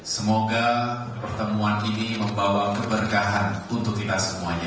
semoga pertemuan ini membawa keberkahan untuk kita semuanya